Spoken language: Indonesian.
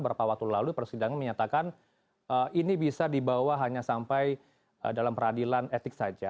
beberapa waktu lalu persidangan menyatakan ini bisa dibawa hanya sampai dalam peradilan etik saja